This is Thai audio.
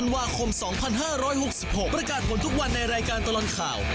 วาคม๒๕๖๖ประกาศผลทุกวันในรายการตลอดข่าว